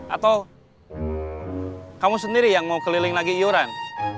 atau kamu sendiri yang mau keliling lagi iuran